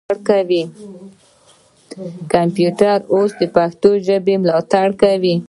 کمپیوټر اوس پښتو ملاتړ کوي.